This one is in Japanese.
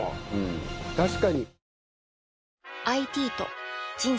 確かに。